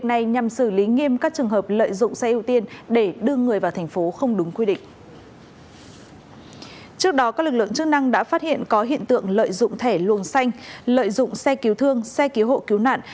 các đối tượng chức năng đã phát hiện có hiện tượng lợi dụng thẻ luồng xanh lợi dụng xe cứu thương xe cứu hộ cứu nạn